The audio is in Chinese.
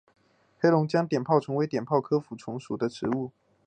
黑龙江碘泡虫为碘泡科碘泡虫属的动物。